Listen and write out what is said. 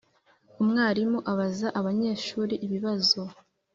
Umwarimu abaza abanyeshuri ibibazo